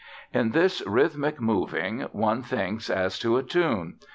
In this rhythmic moving one thinks as to a tune.